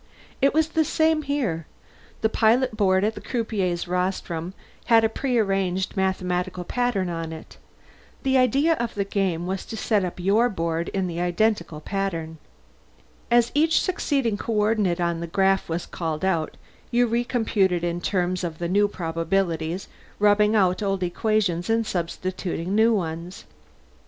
It was the same here. The pilot board at the croupier's rostrum had a prearranged mathematical pattern on it. The idea of the game was to set up your own board in the identical pattern. As each succeeding coordinate on the graph was called out, you recomputed in terms of the new probabilities, rubbing out old equations and substituting new ones.